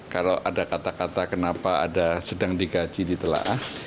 kalau ada kata kata kenapa ada sedang digaji ditelah